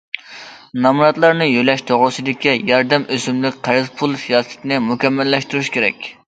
نامراتلارنى يۆلەش توغرىسىدىكى ياردەم ئۆسۈملۈك قەرز پۇل سىياسىتىنى مۇكەممەللەشتۈرۈش كېرەك.